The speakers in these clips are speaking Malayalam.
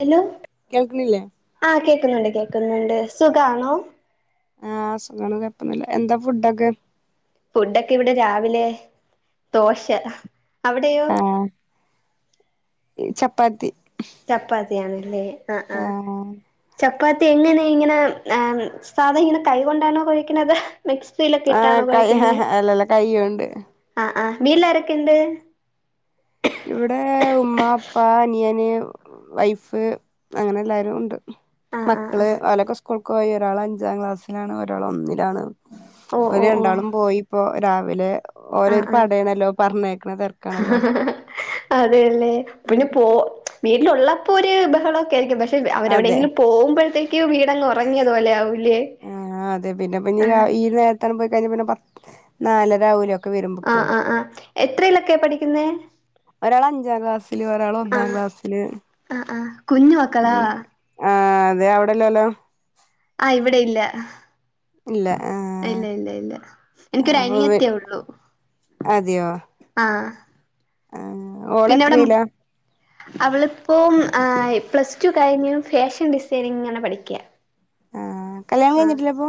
ഹലോ കേൾക്കണില്ലേ ആഹ് കേക്കുന്നുണ്ട് കേക്കുന്നുണ്ട് സുഖാണോ ആഹ് സുഖമാണ് കുഴപ്പവൊന്നുവില്ല എന്താ ഫുഡൊക്കെ ഫുഡൊക്കെ ഇവിടെ രാവിലെ ദോശ അവിടെയോ ആഹ് ചപ്പാത്തി ചപ്പാത്തിയാണല്ലേ ആഹ് ആഹ് ച ചപ്പാത്തി എങ്ങനെ ഇങ്ങനെ സാധാ ഇങ്ങനെ കൈ കൊണ്ടാണോ കൊഴക്കണത് മിക്സിയിലൊക്കെ ആഹ് ഇട്ടാണോ കൈ കൊഴക്കുന്നേ അല്ലല്ല കൈയ്യോണ്ട് ആഹ് ആഹ് വീട്ടില് ആരൊക്കെയുണ്ട് ഇവിടെ ഉമ്മ ഉപ്പ അനിയന് വൈഫ് അങ്ങനെ എല്ലാരും ഉണ്ട് ആഹ് ആഹ് മക്കള് ആഹ് ഓലൊക്കെ സ്കൂൾക്ക് പോയി ഒരാള് അഞ്ചാം ക്ലാസ്സിലാണ് ഒരാള് ഒന്നിലാണ് ഓഹ് ഓര് ഓഹ് ഓഹ് രണ്ടാളും പോയി ഇപ്പോ രാവിലെ ആഹ് ഓരോരു പടയാണല്ലോ പറഞ്ഞയക്കണ തിരക്കാണല്ലോ അതെല്ലെ പിന്നെ പോ വീട്ടിലൊള്ള പ്പോ ഒരു ബഹളവൊക്കെ ആയിരിക്കും പക്ഷേ അതെ അവരെവിടെയെങ്കിലും പോകുമ്പോഴത്തേക്ക് വീടങ്ങ് ഉറങ്ങിയത് പോലെയാവും ആഹ് അതെ പിന്നെ ഇപ്പോ ഇനി ഈ നേരത്തങ്ങ് പോയിക്കഴിഞ്ഞാൽ പിന്നെ പ നാലര ആവൂലൊ ഒക്കെ വരുമ്പക്ക് ആഹ് ആഹ് ആഹ് എത്രയിലൊക്കെ പഠിക്കുന്നെ? ഒരാള് അഞ്ചാം ക്ലാസ്സില് ഒരാള് ഒന്നാം ക്ലാസ്സില് ആഹ് ആഹ് കുഞ്ഞു മക്കളാ ആഹ് അതെ അവിടില്ലല്ലോ ആഹ് ഇവിടെയില്ല ഇല്ല ആ ഇല്ല ഇല്ല ഇല്ല എനിക്കൊരു അപ്പൊ അനിയത്തിയേള്ളു അതെയോ ആഹ് ഓള് എത്രയിലാ? അവളിപ്പോം ആഹ് പ്ലസ് ടു കഴിഞ്ഞു ഫാഷൻ ഡിസൈനിങ്ങനെ പഠിക്ക്യ ആ കല്യാണം കഴിഞ്ഞിട്ടില്ല അപ്പൊ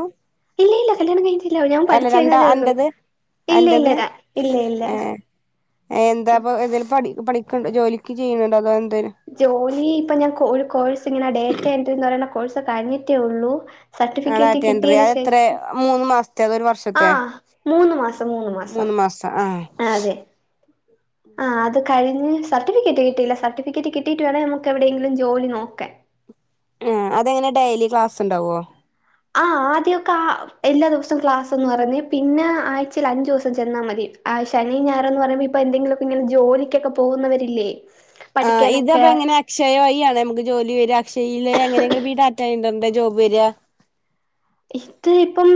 ഇല്ലിയില്ല കല്യാണം കഴി ഇല്ല ഞാൻ അല്ല പഠിച്ച രണ്ടാ കഴിഞ്ഞതേ ഉള്ളൂ അന്റത് ഇല്ല ഇല്ലരാൻ ഇല്ല ഇല്ല. എന്താ അപ്പൊ ഇതില് പഠി പഠിക്കണ്ടോ ജോലിക്ക് ചെയ്യുന്നുണ്ടോ അതോ എ ജോലി ഇപ്പൊ ഞാൻ കോയ് ഒരു കോഴ്സ് ഇങ്ങനെ ഡേറ്റ എൻട്രി എന്ന് പറയുന്ന കോഴ്സ് കഴിഞ്ഞിട്ടേ ഉള്ളൂ ആഹ് സർട്ടിഫിക്കറ്റ് ഡാറ്റ എൻഡ്രി കിട്ടിയതിന് അഹ് എത്രേ ശേഷം മൂന്ന് മാസ്ത്തെ അതോരു വർഷത്തെ ആഹ് മൂന്ന് മാസം മാസം മൂന്ന് മാസ ആഹ് അതെ ആഹ് അത് കഴിഞ് സർട്ടിഫിക്കറ്റ് കിട്ടില്ല സർട്ടിഫി ക്കെറ്റ് കിട്ടീട്ട് വേണ നമുക്ക് എവിടെയെങ്കിലും ജോലി നോക്കൻ ആഹ് അതെങ്ങനെ ഡെയിലി ക്ലാസ് ണ്ടാവോ? ആഹ് ആദ്യോക്കെ ആഹ് എല്ലാ ദിവസോം ക്ലാസ്ന്ന് പറഞ്ഞേ. പിന്നെ ആഴ്ചൽ അഞ്ചോസം ചെന്നാ മതി. ആഹ് ശനിയും ഞായറന്ന് പറയുമ്പോ ഇപ്പൊ എന്തെങ്കിലുക്കെ ഇങ്ങനെ ജോലിക്കൊക്കെ പോകുന്നവരില്ലേ ആഹ് പഠിക്കാനൊക്കെ ഇതപ്പൊ എങ്ങനെ അക്ഷയവയിയാണ് അമുക്ക് ജോലി വര അക്ഷയ് ഇല്ലെ അങ്ങനെയൊക്കെ വിഡാറ്റണ്ടണ്ടണ്ട് ജോബ് വരാ ഇത് ഇപ്പം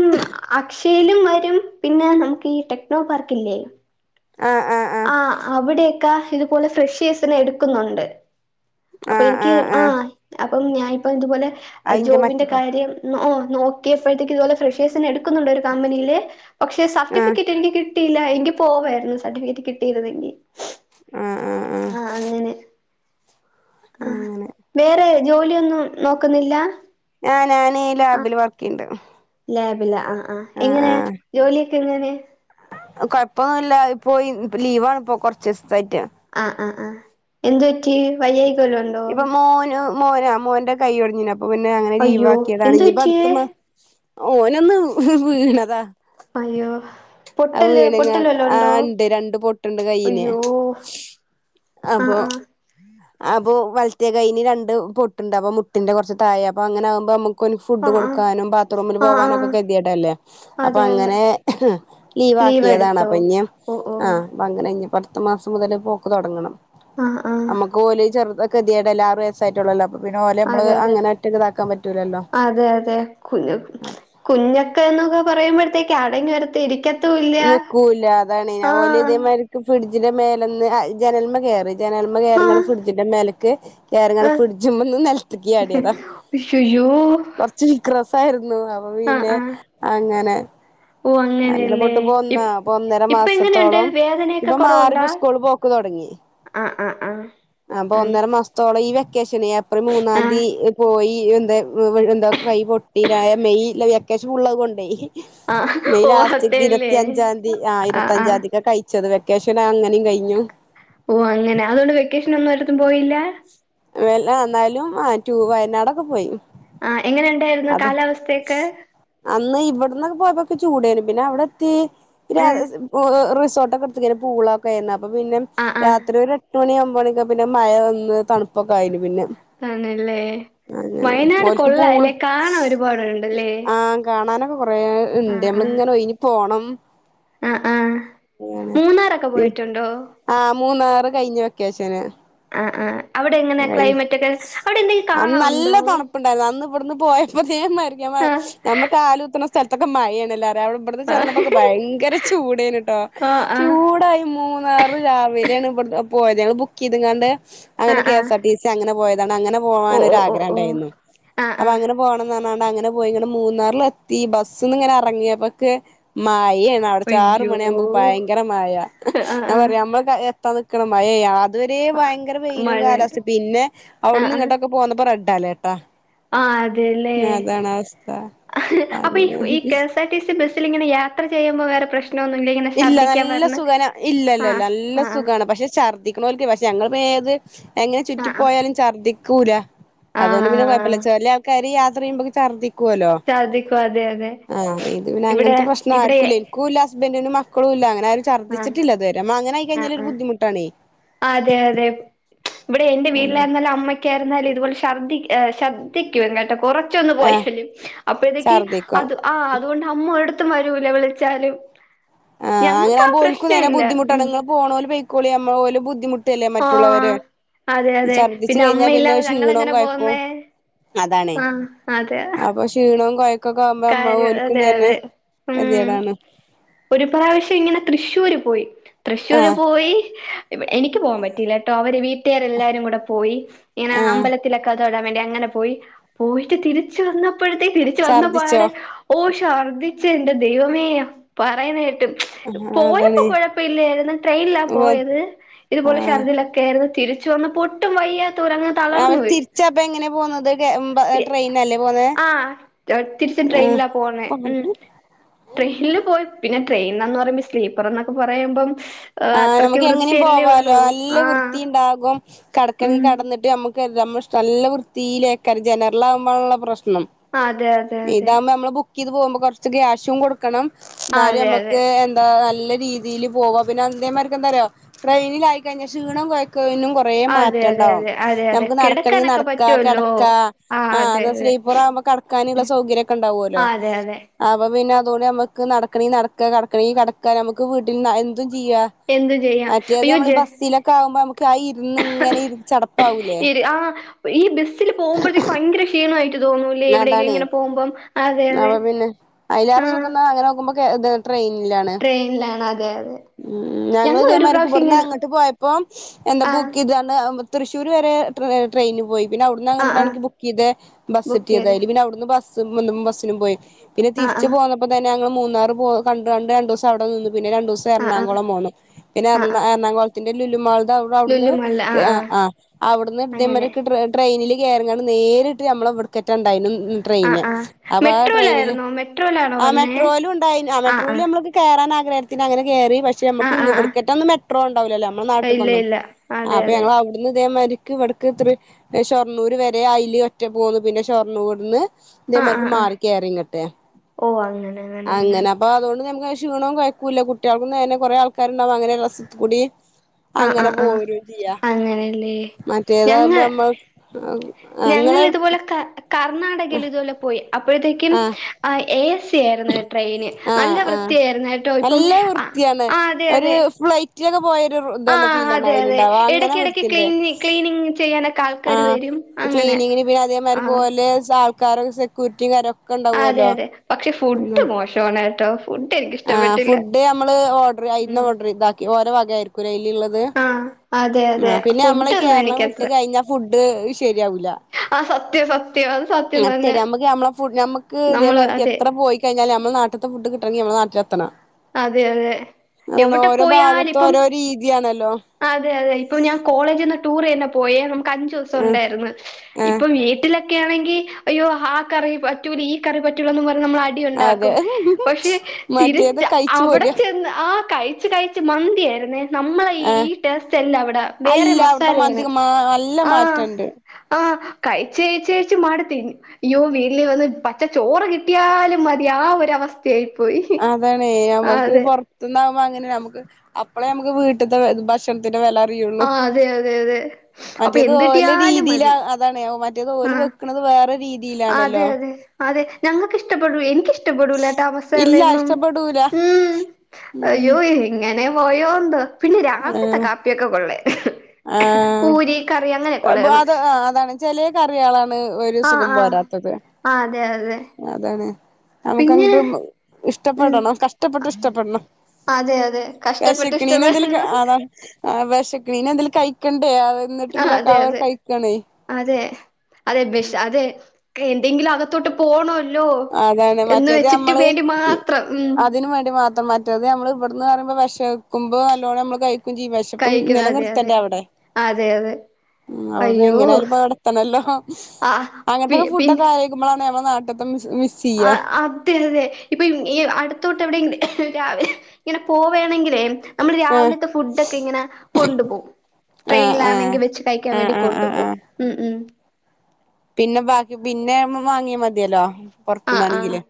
അക്ഷ് യേലും വരും പിന്നെ നമുക്ക് ഈ ടെക്നോ പാർക്കില്ലേ ആഹ് ആഹ് ആഹ് [unintelligible] ഇതുപോലെ ഫ്രഷേസിനെ എടുക്കുന്നുണ്ട് ആ അപ്പ ആ എനിക്ക് ആ ആഹ് അപ് അപ്പം ഞാൻ ഇപ്പോ ഇതുപോലെ അയിന്റെ മറ്റേ ജോബിന്റെ ടോ കാര്യം ഓഹ് നോക്കിയപ്പോഴത്തേക്ക് ഇത് പോലെ ഫ്രഷേസിനെ എടുക്ക് ക്കുന്നുണ്ട് ഒരു കമ്പനീല് പക്ഷെ ആ സർട്ടിഫിക്കറ്റ് എനിക്ക് കിട്ടിയില്ല എങ്കി പോവായിരുന്നു സർട്ടിഫറ്റ് കിട്ടിയിരുന്നെങ്കി ആഹ് ആഹ് ആഹ് ആ വേറെ ജോലിയൊന്നും നോക്കുന്നില്ല ആ ഞാന് ഈ ലാബിൽ വർക്കണ്ട് ലാബില്ല ആഹ് ആ എങ്ങനെയാ ജോലിയൊക്കെ എങ്ങനെ കൊഴപ്പൊന്നുമല്ല പോയി ലീവാണ് ഇപ്പോ കൊറച്ച് ദിവസായിട്ട് ആഹ് ആ ആ എന്ത് പറ്റി വയ്യ ഇപ്പൊ മോന് മോനാ മോന്റെ കൈയ ഒടഞ്ഞെ അപ്പ പിന്നെ അങ്ങനെ അയ്യോ എന്ത് ലീവാക്കിയടാണ് പറ്റിയേ പടുത്ത ഓന ഒന്ന് വീണതാ അയ്യോ ആ പൊട്ടല് വീണങ്ങാ പൊട്ടല് വല്ലോ ആ ഉണ്ടോ ഇണ്ട് രണ്ട് പൊട്ടുണ്ട് കയ്യിന് അയ്യോ ആ അപ്പൊ ആ അപ്പൊ വലത്തിയ കൈയിന് രണ്ട് പൊട്ടുണ്ട് അപ്പൊ മുട്ടിന്റെ കുറച്ച് തായഴ അപ്പൊ അങ്ങനെ ആകുമ്പോ നമുക്ക് കൊരു ഫുഡ് ആഹ് ആഹ് കൊടുക്കാനും ബാറൂമിൽ ആഹ് ആഹ് പോാനക്കെ കതിട്ടല്ലേ അ അതെ അതെ അങ്ങന ലീവ് ബാക്കിയതാണ് എടുത്തോ അപ്പൊ ഇനി ഓ ഓ ആ അപ്പൊ അങ്ങനെ ഇ പ അത്ത മാസം മുതൽ പോക്ക് തുടങ്ങണം ആ നമുക്ക് പോലും ചെറുത ഗതിയുടെ എല്ലും അറസായിട്ടുള്ളല്ലോ അതെ അതെ പറ്റൂലല്ലോ അതെ അതെ കുഞ്ഞ കുഞ്ഞൊക്കെ ക്കെ പറയുമ്പോഴത്തേക്ക ആടി വരരിക്ക നിൽക്കൂല്ല അതാണ് ഇ പോലും ഇതേമാതിക്ക് ഫ്രിഡ്ജിന്റെ മേലൊന്ന് ജനന്മ കയറി ചേനല്മ ആഹ് കയറിയാണ്ട് ഫ്രിഡ്ജിന്റെ മേലക്ക് കയറിങ്ങെ ആഹ് ഫ്രഡജ് മ്മന്ന് നെലത്ത്ക്ക് അതാ അയ്യയ്യോ കൊറച്ച് വിക്ര സായിരുന്നു അപ്പൊ ആഹ് പിന്നെ ആഹ് അങ്ങനെ ഓ അങ്ങനെ അങ്ങനെയല്ലേ പൊട്ടുപ്പോ ഇ ഒന്ന അപ്പൊ ഒന്നര ഇപ്പ എങ്ങനെയുണ്ട് മാസത്തോളം വേദനയൊക്കെ ഇപ്പൊ മാറിപ്പോ കുറവുണ്ടാ സ്കൂള് പോക്ക് തൊടങ്ങി ആഹ് ആ ആ അപ്പൊ ഒന്നര മാസത്തോളം ഈ വെ ശ ഏപ്രിൽ മൂന്നാം ആഹ് തീതി പോയി എന്താ എന്താ കൈ പൊട്ടിരായ മെയൽ കശപ്പുള്ളത് കൊണ്ടേ ആഹ് ആഹ് മെയ് ഓ ലാസ്റ്റ് അതല്ലേ ഇരുത്തി അഞ്ചാം തീയതി ആ ആഹ് ഇരുത്തി ആഹ് അഞ്ചാംതിക്ക കഴിച്ചത് വെക്കേഷൻ അങ്ങനെയും കഴിഞ്ഞു ഓ അങ്ങനെ അതുകൊണ്ട് വെക്കേഷൻ ഒന്നും ഒരിടത്തും പോയില്ല വല്ല എന്നാലും ആ വയനാടൊക്കെ പോയി ആഹ് എങ്ങനെ ഉണ്ടായിരുന്നു അതെ കാലാവസ്ഥയൊക്കെ അന്ന് ഇവിടുന്ന് പോയപ്പോൊക്കെ ചൂടും പിന്നെ അവിടെത്തി ഏഹ് റിസോർട്ടക്കെ എടുത്തിക്കെ പൂളൊക്കെ അപ്പൊ പിന്നെ ആഹ് ആഹ് രാത്രി ഒരു എട്ട് മണി ആകുമ്പോ മണിയൊക്കെ പിന്നെ മഴ വന്ന് തണുപ്പൊക്കെ ആയിന് പിന്നെ ആണല്ലേ അങ്ങനെ ഓലക്ക് പൂളും ഒരുപാടുണ്ടല്ലേ ആഹ് കാണാനൊക്കെ കൊറെ ഇണ്ട് ആഹ് നമ്മള് ആഹ് ഇങ്ങനെ ഒഴിഞ്ഞ് പോണം ആഹ് ആഹ് അ മൂന്നാറൊക്കെ പോയിട്ടുണ്ടോ ആ മൂന്നാറ് കഴിഞ്ഞഞ് വെക്കയാശന് ആ് ആ് അവിടെ എങ്ങനെ ക്ലൈമറ്റ് ഒക്കെ അവിടെ എന്തെങ്കിലും കാണാനുണ്ടോ അവിടുന്ന് പോയപ്പോ മരിക്കാൻ ആഹ് നമ്മള് കാാല കുത്തുന്ന സ്ഥലത്തൊക്കെ മഴയാണല്ല അവിടെ ഇവിടത്തെ ആഹ് ചെന്നപ്പോൊക്കെ ഭയങ്കര ചൂടാണ് കേട്ടോ ആഹ് ആഹ് ചൂടായി മൂന്നാറ് രാവിലെയാണ് പോയ ങ്ങള് ബുക്ക് ചെയ്ണ്ട് അങ്ങനെ ആഹ് ആഹ് എസ് ആർ ടി സി അങ്ങനെ പോയതാണ് അങ്ങനെ പോ ഓ ഓ ഓ ഓ ആഗ്രഹംണ്ടായിരുന്നു ആഹ് അൊ ആഹ് അങ്ങനെ പോ അങ്ങനെ പോയി ഇങ്ങനെ മൂന്നാറൽ എത്തി ബസ് ഇങ്ങനെ ഇറങ്ങിയപ്പോൊക്കെ അ്യ അവിട ആറ് അയ്യോ മണിയ ആകുമ്പക്ക് ഭയങ്കര മയാ ആഹ് ഞാൻ ആഹ് പറയാ നമ്മള് എത്താൻ നിക്കണ മഴ അതുവരെ ഭയങ്കര വെയിലും മഴ കാലാവസ്ഥയും ആഹ് പിന്നെ അവിടുന്ന് നിങ്ങട്ടൊക്കെ പോന്നപ്പോ റെഡ് അലേർട്ടാ ആ അതെല്ലേ അതാണ് അവസ്ഥ അപ്പൊ അങ്ങനെ ഈ കെ എസ്ആർ ടി സി ബസ്സിൽ ഇങ്ങനെ യാത്ര ചെയ്യുമ്പോ വേറെ പ്രശ്ന ഇല്ല നല്ല സുഖന ഇല്ലല്ലല്ല ആഹ് നല്ല ആഹ് സുഖമാണ് പക്ഷെ ഛർദിക്ക ല പക്ഷെ ഞങ്ങളൾ ഏത് എങ്ങനെ ആഹ് ചുറ്റിപ്പോ ആഹ് പോയാലും ഛർദ്ദിക്കൂല ആഹ് അതുകൊണ്ട് പിന്നെ ആഹ് കുഴപ്പമില്ല ആഹ് ചെല്ലിയ ആൾക്കാര് യാത്ര ചെയുമ്പൊക്ക ർദിക്ക ല്ലോ ഛർദിക്കും അതെ അതെ ആഹ ഇത് പിന്നെ ഇവിടെ അങ്ങനത്തെ പ്രശ്ന ഇവിടെ ആരിക്കൂല്ല എനിക്ക ബന്നിന മക്കള ഇല്ല അനെ രു ആഹ് ഛർദ്ദിച്ചിട്ടില്ലതുവരെം അ അങ്ങനെ ആഹ് ആയിക്കഴിഞ്ഞാലൊരു ആഹ് ബുദ്ധിമുട്ടാണേ അതെ അതെ ഇവിടെ എൻറെ വീട്ടിലായിരുന്നാലും അമ്മക്കായിരുന്നാലും ഇതുപോലെ ശ്രദ്ധി ശ്രദ്ധിക്കും കേട്ടെ കുറ പോ ആഹ് അപ്പ ഇതൊ ഛർദ്ദിക്കും അത് ആ് അതുകൊണ്ട് അമ്മട് രു വില വിളിച്ചാലും ഞ ഞൻ പോൽക്കുന്നനെ ബുധിമുട്ടാണ് നിങ്ങള് പോണ പോ പക്കിമ്മ പോല ബുദ്ധിമു് ല്ലേ മറ്റുള്ളവര് ആഹ് അതെ ഈ അതെ ഛർദിച്ചു കഴിഞ്ഞാൽ പിന്നെ അമ്മയില്ലാതെ ക്ഷീണവും ഞങ്ങളെങ്ങനെ കഴക്കും പോവുന്നേ അതാണേ ആഹ് അതെ അപ്പൊ ക്ഷീണവും കൊയക്ക ഒക്കക്കവുമ്പോ അമ്മ കാര്യം കോലിക്കും അതെ തന്നെ അതെ എതിടാണ് പ്ര്രാവശ്യം ഇങ്ങനെ തൃശ്ശൂര് പോയി തൃശ്ശൂര് ആഹ് പോയി എനിക്ക് പോകാൻ പറ്റിയില്ല കേട്ടോ അവര് വീട്ടുകർ എല്ലാരും കൂടെ പോയി ഇങ്ങനെ ആഹ് അമ്പലത്തിലൊക്കെ ടൻ വേണ്ടി അങ്ങനെ പോയി പോയിട്ട് തിരിു വന്നപ്പോഴത്തേക്ക് തിരിച്ച വന്നപ്പോ ഛർദിച്ചോ ഓ ഛർദ്ദിച്ച എന്റെ ദൈവമേോ പറയുന്ന കേട്ടും ആഹ് പോയപ്പോൊ അതാണ് കുഴപ്പ ഇില്ലായിരുന്നു ട്രെയിനിലാ പോയത് ഇതുപോലെ ആഹ് ഷർദിലൊക്കെ ആയിരുന്നു തിരിച്ചു വന്നപ്പോ ഒട്ടും വയ്യ റങ്ങ അവർ തളർന്ന തിരിച്ചപ്പ എങ്ങനെ പോന്നത് ട്രെയിനല്ലേ പോന്നെ ആ തിരിച്ചും ട്രെയിനിലാ പോണേ ഉ ട്രെയിനിില് പോയി പിന്നെ ട്രെയിൻന്ന് പറയുമ്പോ സ്ലീപ്പർ എന്നൊക്കെ പറയുമ്പോം ആഹ നമുക്ക് എങ്ങനും പോവാാലോ നല്ല ആഹ് വൃത്തിയ ഉണ്ടാകും കടക്കണെങ്കി ഉം കടന്നിട്ട് നമുക്ക് നല്ല വൃത്തിയിലേക്കാ ജനറാാവുമ്പാനുള്ള പ്രശ്നം അതെ അതെ ഉ അതെ ഇതാവകുമ്പോ നമ്മ ഇത് പോകുമ്പോ കുറച്ച് ക്യാഷും കൊടുക്കണം ആഹ് എന്നാലും അതെ അതെ നമ്മുക്ക് എന്താ നല്ല രീതിൽ പോവാ പിന്നെ അേമാർക്ക എന്താറോ ട്രെയിനൽായിയി കഴിഞ്ഞൽ ക്ഷീണം കൊ കൊറ അതെ മാറ്റം അതെ ഉണ്ടാാവും അതെ അതെ അതെ നമക്ക് നടക്കെങ്കിൽ കിടക്കാനൊക്കെ നടക്ക പറ്റുവല്ലോ കിടക്ക ആഹ് ആ അതെ അ അതെ ഇപ്പറ ആകുമ്പോ കടക്കാനുള്ള സൗകര്യംൊക്കെ ഉണ്ടാവുമല്ലോ ആഹ് അതെ അതെ അപ്പൊ പിന്നെ അ നമുക്ക് നടക്കണ നടക്ക കടക്കണി കടക്കുക നമുക്ക് വീട്ടിൽ ചെയ എന്ത് ചെയ്യാം മറ്റേത് അയ്യോ നമ്മൾ ജ ബസിലൊക്കെ ആവുമ്പോ നു ആയി ഇരുന്ന് ഇങ്ങനെ ഇ ചടപ്പാവൂലേ ആഹ് ഈ ബസ്സിൽ പോകുമ്പോഴത്തേക്ക് ഭയങ്കര ക്ഷീണമായിട്ട് തോന്നൂല്ലേ എവിടെയെങ്കിലും അതാാണ്േ ഇങ്ങനെ പോകുമ്പം അതെ അതെ അപ്പൊ പിന്നെ അലാറ് ആഹ് സുഖം അങ്ങനെ നോക്കുമ്പോ കേ ഇത് ട്രെയിനിലാണ് ട്രെയിനിലാണ് അതെ അതെ ഉ ഞങ്ങൾ ഇതേ ഞങ്ങളൊരു പ്രാവശ്യം മക്ക്പ്പെടുന്ന ഇങ്ങനെ അങ്ങോട്ട് പോയപ്പോ എന്താ ആഹ് ബുക്ക് ചെയതാണ് തൃശൂർ വരെ ടെയിന് പോയി പിന്നെ അവിടുന്ന് ആഹ് ആഹ് അങ്ങട്ടാണ്ണനിക്ക് ബുക്ക് ചെയ്ത് ബസ് ബുക്ക് ചെയ്ത് എത്തിയത്ായതില് പിന്നെ അവിടുന്ന് ബ ബസ്സിനും പോയി പിന്നെ ആഹ് തിരിച്ച്ു ആഹ് പോകന്നപ്പോ തന്നെ ഞങ്ങൾ മൂന്നാറ് പോ ക കണ്ട് രണ്ട ദിവസം അവിടെ നി പിന്നെ രണ്ടു ദിവസം ആഹ് ആഹ് എറണാകുളം പോകു ആഹ് പിന്നെറാ ആഹ് എറണാകുളന്റെ ലുലുമാ അവിന്ന് ലുല്ലുമാളില് ആഹ് ആഹ് ആ് അങ്ങനെ അവിന്ന്ര ട്രെയിനിൽ ങ്ങ നേരിട്ട് നമ്മളെ വിടുക്കറ്റാണ്ടായിും ആഹ് ട്രെയിന് ആഹ് അപ്പൊ ആ ട്രെയിനിൽ മെട്രോയിലായിരുന്നോ മെട്രോയിലാണോ ആ വന്നേ മെട്രോയിലും ഉണ്ടായി ആ ആഹ് മെട്രോൽ ആഹ് നമ്മ കേറാ ത്തി അനെ കയറും പക്ഷെ നമ്മുക്ക് ആഹ് ആഹ് ഇവിടുക്കട്ട ഒന്ന് മെട്രോണ്ടാവില്ലോല്ലേ നമ്മ ആഹ് ഇല്ല നാട്ടക്കൊന്നും ഇല്ല അതെ അപ്പൊ അതെ ഞൾ അവിടുന്ന് ഇതേമാതിരി ഇവിടക്ക് ഇത്ര ഷൊർണ്ണൂർ വരെ അല ഒറ്റ പോകന്നുന്നു പിന്നെ ഷൊർണ്ണൂർ നിന്ന് ആഹ് ഇതേമാർക്ക് ആഹ് ആഹ് മാറി കയറിയ കട്ടെ അങ്ങനെ അപ്പൊ അതുകൊണ്ട് നമക്ക് ക്ഷീണവും കഴിക്കൂില്ല കുട്ടികൾക്കക്ക്ും തെ കുറെ ആൾക്കാ ഉണ്ടാവകും അങ്ങനെ രസത്ത കൂടി ആഹ് അങ്ങനെ ആഹ് ആഹ് പോര ഇ ചെയ്യ അങ്ങനെല്ലേ മറ്റേതാകുമ്പോ ഞങ്ങൾ നമ്മൾ ഞങ്ങൾ നിങ്ങെ ഇതുപോലെ ക കർണാടകയിൽ ഇതുപോലെ പോയി അപ്പോഴത്തേക്കും ആ എ എസ് വൃത്തിയായിരുന്ന ട്രെയിന് ആഹ് നല്ല ആഹ് വൃത്തിയായിരുന്ന ട്ടോ ഇപ്പം നല്ല ആ വൃത്തിയാണ് ആ അതെ ഒരു അതെ ഫ്ലൈറ്റിലൊക്കെ പോയൊരു ആ ഇതാണ് ഫീലാണ് അതെ അതെ അതിലുണ്ടാവാ അങ്ങനെ ഇടക്ക ഇടക്ക് വൃത്തിണ്ട് ക്ലീനി ക്ലീനിങ് ചെയ്യാനൊക്കെ ആൾക്കാാര് വരും അങ്ങനെ പിന്ന പിന്നെ അതേമാതി ആഹ് പോല ആൾക്കാരോ സെക്യൂരിറ്റി കാരക്കെ അതെ അതെ പക്ഷി അ ആ എനിക്കിഷ്ടപ്പെട്ടില്ല ഫുഡ് നമ്മള് ഓർഡർ അ ഉം ഓർഡർ ചെയ്താക്കി ഓരോ ന്നെ ആഹ് അതെ അതെ നമ്മ ഫുഡൊന്നും കേരളം എനിക്കത്ര വിട്ടുകഴിഞ്ഞ അ ശരിയാവൂല സത്യ സത് അ ശെ നമ്മുക്ക് നമ്മളെ ഫ നമമ്മക്ക് നമ്മള് ഇതേമാതി അതെ എത്ര പോയി കഴിഞ്ഞാ നമ്മൾ നാട്ടത്തെ ഫുഡ് കിട്ട നട്ടിലതണം അതെ അതെ എവിടെ ഓരോ ഭാഗത്ത് പോയാലിപ്പം ഓരോ രി അതെ അതെ ഇപ്പൊ ഞാൻ കോളേജ്ന്ന് ടൂർ തന്നെ പോയാ നമുക്ക് അഞ്ചു ദിവസം ആഹ് ഉണ്ടായിരുന്നു ആഹ് ഇപ്പൊ വീട്ടിലെ കെ യാനാകി അയോ ആ കറി പറ്റൂല്ല ഈ കറി പറ്റൂല്ല എന്നും പറഞ്ഞ് നമ്മ അടി അതെ ഉണ്ടാക്കും പക്ഷെ മറ്റേത് തിരിച്ച കഴിച്ചു അവിടെ പോര ചെന്ന് ആ കഴിച്ചു കഴച്ച് മന്തി ആയിന്നേ നമ്മളെ ഈ ആഹ് ടേസ്റ്റ്ല്ല അവിടെ വേറെ അല്ല അവിടുത്തെ മസാലയാണ് മന്തിക്ക് നല്ല ആഹ മാറ്റണ്ട് [inaudible] കഴിച്ച കഴച്ച് കഴച്ച് മാടി തിരിഞ്ഞു അയ്യോ വീട്ടിൽ വന്ന് പച്ചച്ചോറ് കിട്ടിയാലും മതി ആ ഒരുവസ്ഥ ചെയി പോയി ആഹ് നമുക്ക് അതെ പുറത്തന്നാകുമ്പോ അങ്ങനെ നമുക്ക് അപ്പളെ നമുക്ക് വീട്ടത്തെ ഭക്ഷണത്തി വില അറിയുള്ളൂ ആഹ് അതെ അതെ അതെ അപ്പൊ മറ്റേത് എന്ത് ഓലെ കിട്ടിയാലും രീതിൽ മതി അതണോ മ തോല് ആഹ് വെക്കുന്നത് വേറെ രീതി അതെ അതെ അതെ ഞങ്ങൾക്ക് ഇഷ്ടപ്പെടു എനിക്കിഷ്ട ഇഷ്ടപ്പെടൂല ഇല്ല താമസല്ലും ഇഷ്ടപ്പെടൂല ഉ ഉം അയ്യോ ഇങ്ങനെ പോയോന്ന് പിന്നെ രാവിലത്തെ കാപ്പിയൊക്കെ കൊള്ളേ ആ അത് അതാണ് ചെലിയ കറി ആളാണ് ഒരു ആഹ് സുഖം ആഹ് പോരാ ആഹ് അതെ അതെ അതാണ് പിന്നെ നമുക്ക്ങ്ങട്ട് ഇഷ ഉം ഇഷ്ടപ്പെടണം കഷ്ടപ്പെട്ട് ഇഷ്ടപ്പെടണം അതെ അതെ കഷ്ടപ്പെട്ട് വിശക്കണീന് എന്തേലും ഇഷ്ടപ്പെടുന്ന അതാ വിശക്കണീനെ എന്തെങ്കലും കഴിക്കണ്ട എ ആഹ് വന്നിട്ടില്ല അതെ അവർ അതെ കഴിക്കണേ അതെ അതെ ബഷ അതെ എന്തെങ്കിലും അകത്തോട്ട് പോണോല്ലോ അതാണ് മറ്റേത് നമ്മള് മാത്രം ഉം അതിന് വേണ്ടി മാത്രം മാറ്റത് നമ്മൾ ഇവിടെന്ന് പറയുമ്പോ വിഷക്കുമോ നല്ലോണം നമ്മൾ കഴി കുഞ്ചി വശപ്പം കഴിക്കുന്ന അതെ നിലനിർത്തണ്ട അതെ അവിടെ അതെ അതെ ഉ അവിടുന്ന് അയ്യോ എങ്ങനൊയാലുംപ്പ നടത്തണല്ലോ ആ പി അങ്ങനത്തെക്ക പി ഫുഡ്ക്കെ അയക്ക്പോള ആ അതെ അതെ ഇപ്പൊ അടുത്തോട്ട് എവിടെ രാവിലെ ഇങ്ങനെ പോവണെങ്കിലേ നമ്മള് ആഹ് രാവിലത്തെ ഫുഡ്‌ ഒക്കെ ഇങ്ങനെ കൊണ്ടു പോകും ആഹ് ട്രെയിനിൽ ആഹ് ആണെങ്കിൽ വെച്ച് കഴിക്കാൻ ആഹ് വേണ്ടി ആഹ് ആഹ് കൊണ്ടുപോകും ആഹ് ഉം ഉം പിന്നെ ബാക്കി പിന്നെ വാങ്ങിയാ മതിയല്ലോ ആ ആ പൊറുത്തുനിന്നാണെകിലും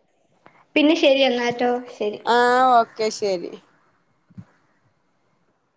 പിന്നെ ശരി എന്നാട്ടോ ശരി ആഹ ഓക്കെ ശരി